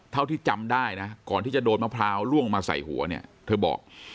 เท่าที่จำได้นะก่อนที่จะโดนมะพร้าวล่วงมาใส่หัวเนี่ยเธอบอก